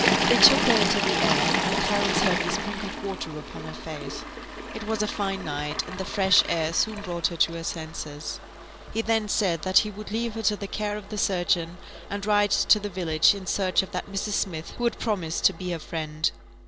They took her into the air, and Clarence Hervey sprinkled water upon her face. It was a fine night, and the fresh air soon brought her to her senses. He then said that he would leave her to the care of the surgeon, and ride to the village in search of that Mrs. Smith who had promised to be her friend.